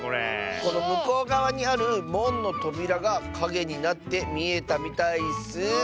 このむこうがわにあるもんのとびらがかげになってみえたみたいッス。